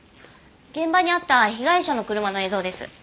現場にあった被害者の車の映像です。